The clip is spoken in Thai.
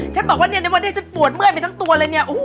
บอกว่าเนี่ยในวันนี้ฉันปวดเมื่อยไปทั้งตัวเลยเนี่ย